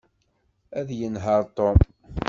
Ad yenheṛ Tom.